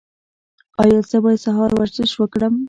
ایا زه باید سهار ورزش وکړم؟